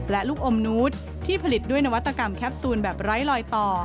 และลูกอมนูตที่ผลิตด้วยนวัตกรรมแคปซูลแบบไร้ลอยต่อ